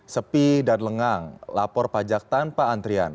sepi dan lengang lapor pajak tanpa antrian